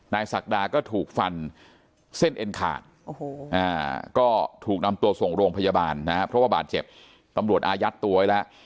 ศักดาก็ถูกฟันเส้นเอ็นขาดก็ถูกนำตัวส่งโรงพยาบาลนะครับเพราะว่าบาดเจ็บตำรวจอายัดตัวไว้แล้ว